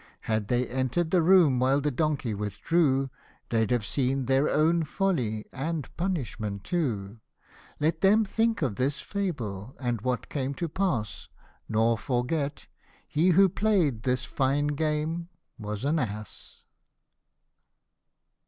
Had they enter'd the room while the donkey withdrew, They'd have seen their own folly and punishment too : Let them think of this fable, and what came to pass : Nor forget, he who play'd this fine game was an ass.